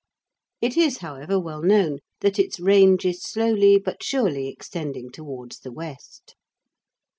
It is however well known that its range is slowly but surely extending towards the west.